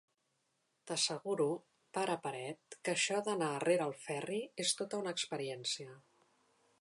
T'asseguro, pare paret, que això d'anar rere el Ferri és tota una experiència.